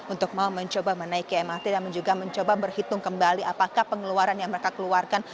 untuk mau mencoba menaiki mrt dan juga mencoba berhitung kembali apakah pengeluaran yang mereka keluarkan